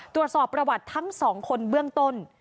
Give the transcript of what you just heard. ตรวจสอบประวัติทั้งสองคนเบื้องต้น